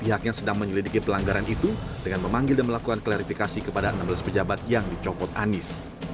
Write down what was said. ada enam belas pejabat yang dicopot anies